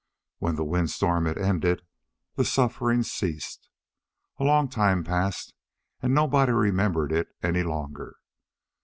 When the windstorm had ended, the suffering ceased. A long time passed and nobody remembered it any longer.